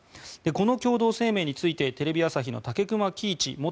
この共同声明についてテレビ朝日の武隈喜一元